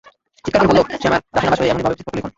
চিৎকার করে বলল, সে আমার দাসানুদাস হয়ে এমনিভাবে পত্র লিখল।